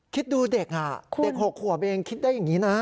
คิดดูเด็กเด็ก๖ขวบเองคิดได้อย่างนี้นะ